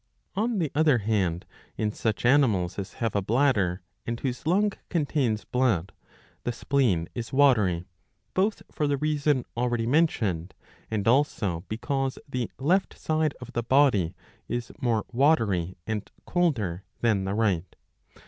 On the other hand in such animals as have a bladder, and whose lung contains blood, the spleen is watery, both for the reason already mentioned, and also because the left side of the body is more watery and colder than the right.